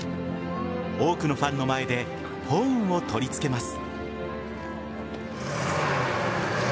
多くのファンの前でホーンを取り付けます。